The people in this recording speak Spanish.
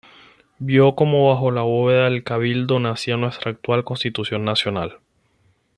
Vio como bajo la bóveda del Cabildo nacía nuestra actual Constitución Nacional.